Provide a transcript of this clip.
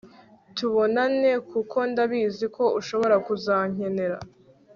tubonane, kuko ndabizi ko ushobora kuzankenera!